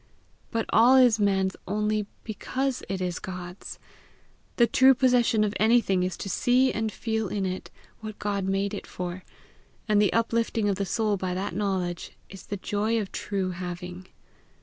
But all is man's only because it is God's. The true possession of anything is to see and feel in it what God made it for; and the uplifting of the soul by that knowledge, is the joy of true having.